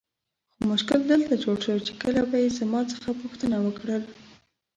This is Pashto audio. خو مشکل دلته جوړ سو چې کله به یې زما څخه پوښتنه وکړل.